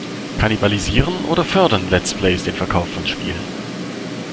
Kannibalisieren oder fördern Let's Plays den Verkauf von Spielen?